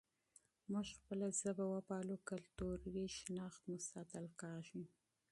موږ خپله ژبه وپالو، کلتوري هویت مو ساتل کېږي.